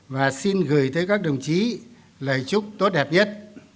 và xin gửi tới các đồng chí lời chúc tốt đẹp nhất